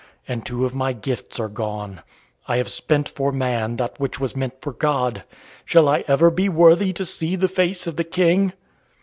And two of my gifts are gone. I have spent for man that which was meant for God. Shall I ever be worthy to see the face of the King?"